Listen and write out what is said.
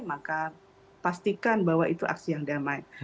maka pastikan bahwa itu aksi yang damai